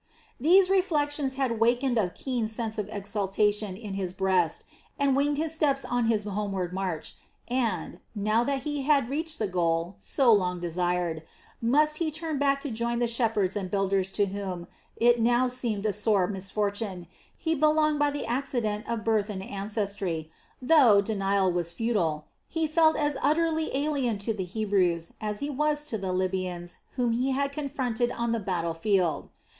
These reflections had awakened a keen sense of exultation in his breast and winged his steps on his homeward march and, now that he had reached the goal, so long desired, must he turn back to join the shepherds and builders to whom it now seemed a sore misfortune he belonged by the accident of birth and ancestry, though, denial was futile, he felt as utterly alien to the Hebrews as he was to the Libyans whom he had confronted on the battle field.